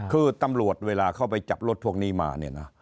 คือตำรวจเวลาเข้าไปจับรถพวกนี้มาเนี่ยนะ